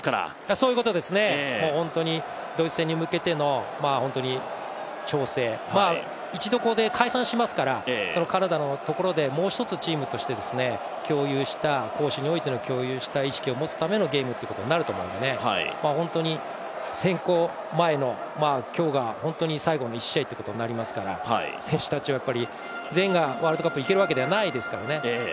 そういうことですねドイツ戦に向けての調整、一度、ここで解散をしますから、カナダのところでもう一つチームとして攻守において共有した意識を持つためのゲームになると思うので、選考前の今日が本当に最後の１試合ということになりますから選手たちは全員がワールドカップに行けるわけではないですからね